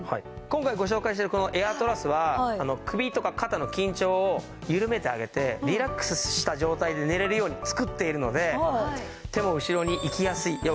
今回ご紹介しているこのエアトラスは首とか肩の緊張を緩めてあげてリラックスした状態で寝れるように作っているので手も後ろにいきやすい。